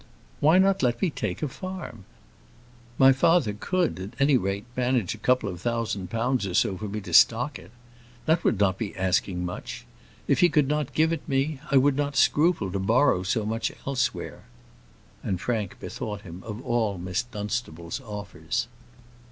"Why not let me take a farm? My father could, at any rate, manage a couple of thousand pounds or so for me to stock it. That would not be asking much. If he could not give it me, I would not scruple to borrow so much elsewhere." And Frank bethought him of all Miss Dunstable's offers.